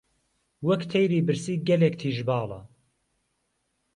وەک تهیری برسی گهلێک تیژباڵه